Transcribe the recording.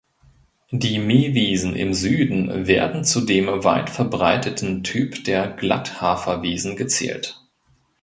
Die Mähwiesen im Süden werden zu dem weit verbreiteten Typ der Glatthaferwiesen gezählt.